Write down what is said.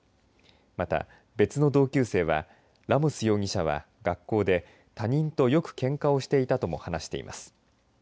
また、別の同級生はラモス容疑者は学校で他人とよくけんかをしていたとも話しています。